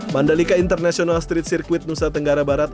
mandalika international street circuit nusa tenggara barat